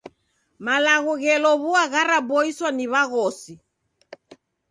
Malagho ghelow'ua gharaboiswa ni w'aghosi.